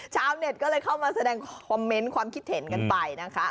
ชาวเน็ตก็เลยเข้ามาแสดงคอมเมนต์ความคิดเห็นกันไปนะคะ